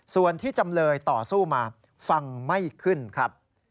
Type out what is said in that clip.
ส่วนที่จำเลยต่อสู้มาฟังไม่ขึ้นครับ